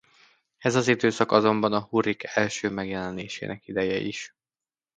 Ez az időszak azonban a hurrik első megjelenésének ideje is.